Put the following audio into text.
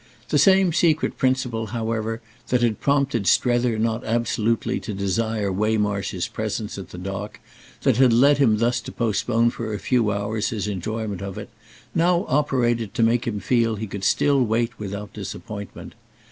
The same secret principle, however, that had prompted Strether not absolutely to desire Waymarsh's presence at the dock, that had led him thus to postpone for a few hours his enjoyment of it, now operated to make him feel he could still wait without disappointment.